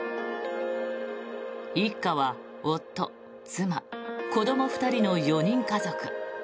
一家は夫、妻、子ども２人の４人家族。